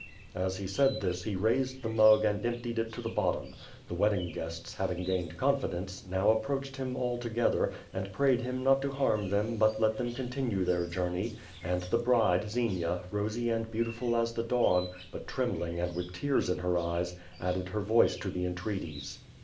As he said this, he raised the mug and emptied it to the bottom. The wedding guests, having gained confidence, now approached him all together, and prayed him not to harm them but let them continue their journey; and the bride Xenia, rosy and beautiful as the dawn, but trembling and with tears in her eyes, added her voice to the entreaties.